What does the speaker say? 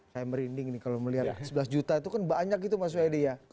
saya merinding nih kalau melihat sebelas juta itu kan banyak gitu mas wede ya